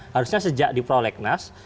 harusnya sejak di prolegnas